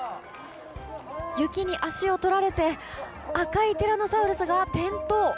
雪に足を取られて赤いティラノサウルスが転倒。